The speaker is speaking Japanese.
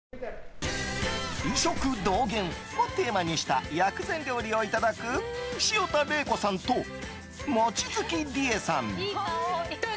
医食同源をテーマにした薬膳料理をいただく潮田玲子さんと望月理恵さん。